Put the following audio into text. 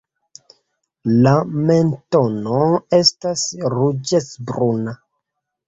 La mentono estas ruĝecbruna.